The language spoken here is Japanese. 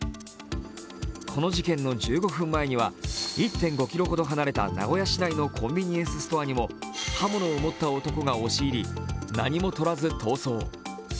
この事件の１５分前には１．５ｋｍほど離れた名古屋市のコンビニエンスストアにも刃物を持った男が押し入り、何もとらず逃走。